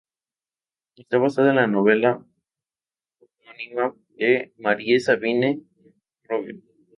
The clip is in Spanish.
Está basada en la novela homónima de Marie-Sabine Roger.